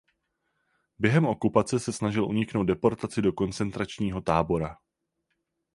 Během okupace se snažil uniknout deportaci do koncentračního tábora.